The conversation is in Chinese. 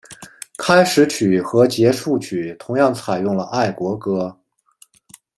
开始曲和结束曲同样采用了爱国歌。